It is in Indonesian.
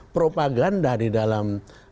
propaganda di dalam